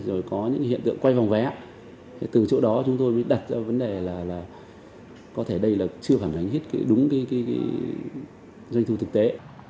rồi có những hiện tượng quay vòng vé từ chỗ đó chúng tôi mới đặt ra vấn đề là có thể đây là chưa phản ánh hết đúng cái doanh thu thực tế